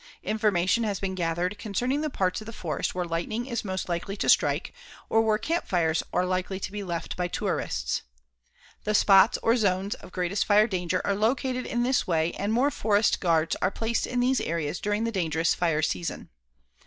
Information has been gathered concerning the parts of the forest where lightning is most likely to strike or where campfires are likely to be left by tourists. The spots or zones of greatest fire danger are located in this way and more forest guards are placed in these areas during the dangerous fire season.